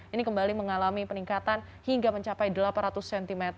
ini kembali mengalami peningkatan hingga mencapai delapan ratus cm